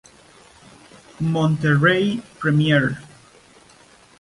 Monterrey Premier.